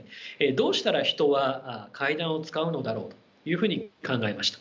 どうしたら人は階段を使うのだろうというふうに考えました。